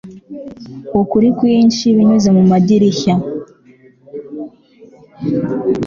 ukuri kwinshi binyuze mumadirishya